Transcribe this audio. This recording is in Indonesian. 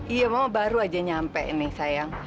iya mama baru aja nyampe ini sayang